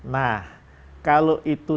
nah kalau itu